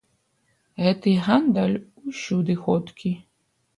Гэты гандаль усюды ходкі.